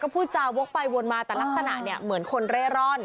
พูดจาวกไปวนมาแต่ลักษณะเนี่ยเหมือนคนเร่ร่อน